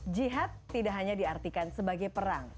jihad tidak hanya diartikan sebagai perang